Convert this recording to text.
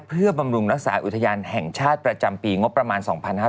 เพื่อบำรุงรักษาอุทยานแห่งชาติประจำปีงบประมาณ๒๕๕๙